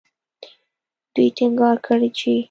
دوی ټینګار کړی چې